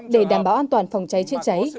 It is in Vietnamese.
để đảm bảo an toàn phòng cháy chữa cháy